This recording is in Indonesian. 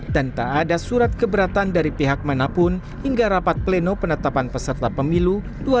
dan tak ada surat keberatan dari pihak manapun hingga rapat pleno penetapan peserta pemilu dua ribu dua puluh empat